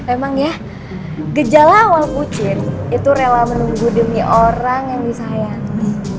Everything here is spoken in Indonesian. emang ya gejala awal kucing itu rela menunggu demi orang yang disayang